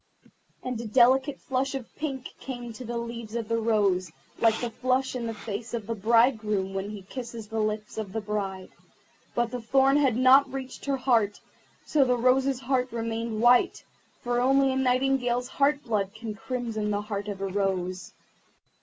And a delicate flush of pink came into the leaves of the rose, like the flush in the face of the bridegroom when he kisses the lips of the bride. But the thorn had not yet reached her heart, so the rose's heart remained white, for only a Nightingale's heart's blood can crimson the heart of a rose.